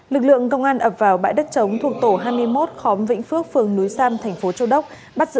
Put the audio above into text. lực lượng công an ập vào bãi đất chống thuộc tổ hai mươi một khóm vĩnh phước phường núi sam tp châu đốc